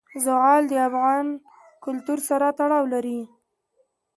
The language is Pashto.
زغال د افغان کلتور سره تړاو لري.